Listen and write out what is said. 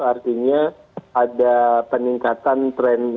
artinya ada peningkatan tren